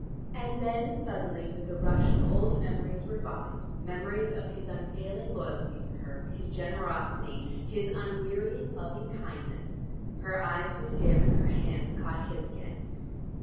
And then suddenly with the rush of old memories revived, memories of his unfailing loyalty to her, his generosity, his unwearying loving kindness, her eyes grew dim, and her hands caught his again.